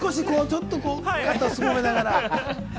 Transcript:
肩をすぼめながら。